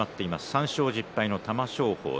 ３勝１０敗の玉正鳳。